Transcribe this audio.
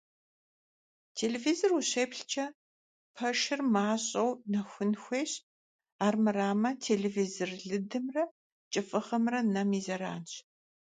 Телевизор ущеплъкӀэ пэшыр мащӀэу нэхун хуейщ, армырамэ телевизор лыдымрэ кӀыфӀыгъэмрэ нэм и зэранщ.